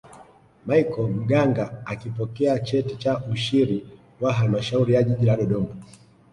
michel maganga akipokea cheti cha ushiri wa halmashauri ya jiji la dodoma